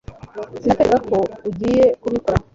Sinatekerezaga ko ugiye kubikora